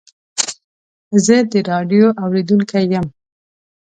زه د راډیو اورېدونکی یم.